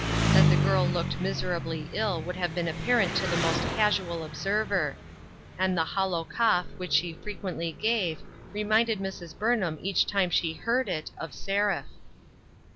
That the girl looked miserably ill would have been apparent to the most casual observer ; and the hollow cough which she frequently gave reminded Mrs. Burn ham each time she heard it, of Seraph.